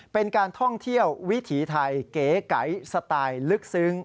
เป็นการท่องเที่ยววิถีไทยเก๋ไก๋สไตล์ลึกซึ้ง